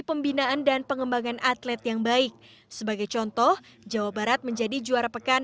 pembinaan dan pengembangan atlet yang baik sebagai contoh jawa barat menjadi juara pekan